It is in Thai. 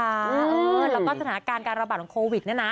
และหากสถานการณ์การระบาดของโควิท